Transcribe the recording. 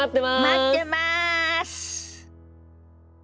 待ってます！